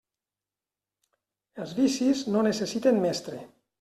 Els vicis no necessiten mestre.